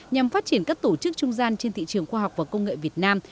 nhằm phát triển các tổ chức trung gian trên thị trường khoa học và công nghệ việt nam